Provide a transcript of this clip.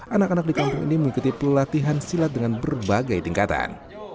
anak anak di kampung ini mengikuti pelatihan silat dengan berbagai tingkatan